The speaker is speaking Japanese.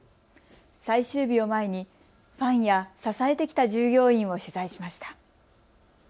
最終日を前にファンや支えてきた従業員を取材しました。